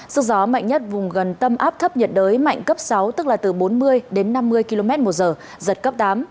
sức gió mạnh nhất vùng gần tâm áp thấp nhiệt đới mạnh cấp sáu tức là từ bốn mươi đến năm mươi km một giờ giật cấp tám